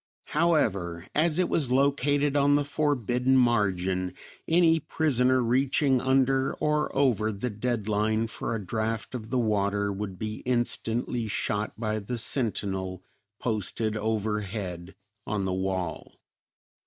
However, as it was located on the forbidden margin, any prisoner reaching under or over the dead line for a draught of the water would be instantly shot by the sentinel posted overhead on the wall.